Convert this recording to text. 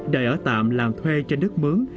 đợi ở tạm làm thuê trên đất mướn